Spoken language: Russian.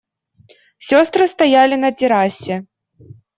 Сестры стояли на террасе.